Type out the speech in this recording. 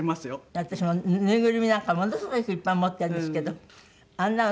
私もぬいぐるみなんかものすごくいっぱい持ってるんですけどあんなの。